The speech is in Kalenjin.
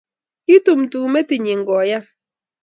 kitumtum metit nyi koyan